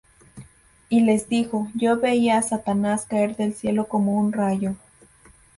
Y les dijo: Yo veía a Satanás caer del cielo como un rayo.